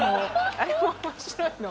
あれも面白いの。